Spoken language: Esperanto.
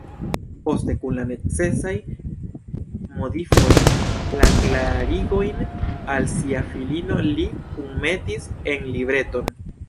Poste, kun la necesaj modifoj, la klarigojn al sia filino li kunmetis en libreton.